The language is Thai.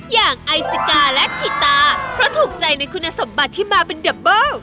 อย่างไอซิกาและคิตาเพราะถูกใจในคุณสมบัติที่มาเป็นดับเบิ้ล